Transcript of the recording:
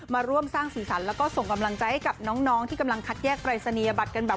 มาร่วมสร้างสีสันแล้วก็ส่งกำลังใจให้กับน้องที่กำลังคัดแยกปรายศนียบัตรกันแบบ